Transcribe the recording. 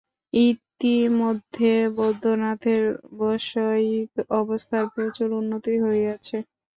ইতিমধ্যে বৈদ্যনাথের বৈষয়িক অবস্থার প্রচুর উন্নতি হইয়াছে।